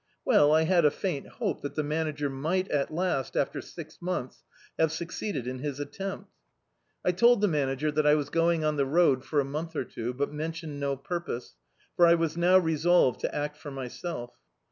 Well, I had a faint hope that the Manager might, at last, after six months, have suc ceeded in his attempt. 1 told the Manager that I was going on the road for a month or two, but mentioned no purpose, for I was now resolved to act for myself.